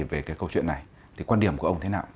về cái câu chuyện này thì quan điểm của ông thế nào